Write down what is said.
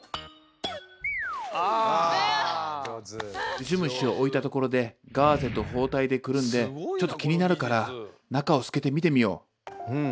ウジ虫を置いたところでガーゼと包帯でくるんでちょっと気になるから中を透けて見てみよう。